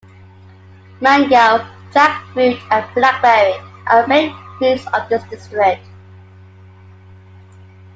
Mango, jackfruit and black berry are main fruits of this district.